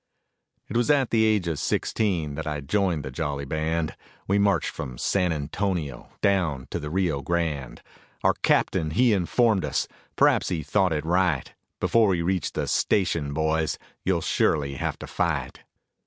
It was at the age of sixteen that I joined the jolly band, We marched from San Antonio down to the Rio Grande. Our captain he informed us, perhaps he thought it right, "Before we reach the station, boys, you'll surely have to fight."